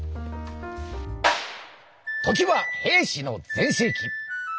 「時は平氏の全盛期！